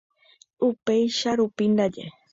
Upeichahárupi ndaje.